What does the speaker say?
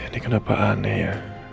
ini kenapa aneh ya